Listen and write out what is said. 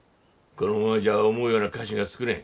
このままじゃ思うような菓子が作れん。